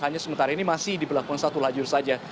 hanya sementara ini masih diberlakukan satu lajur saja